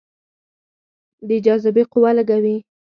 د جاذبې قوه لږه وي.